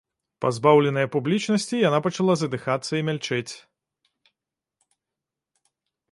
Пазбаўленая публічнасці, яна пачала задыхацца і мяльчэць.